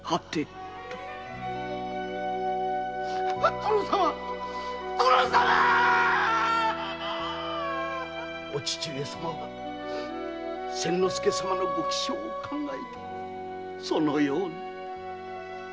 〔殿様！〕お父上様は千之助様のご気性を考えてそのように。